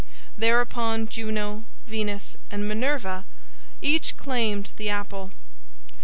Thereupon Juno, Venus, and Minerva each claimed the apple.